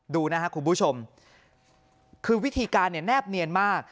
ดูนะครับคุณผู้ชมคือวิธีการเนี่ยแนบเนียนมาก